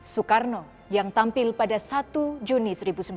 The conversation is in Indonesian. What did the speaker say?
soekarno yang tampil pada satu juni seribu sembilan ratus sembilan puluh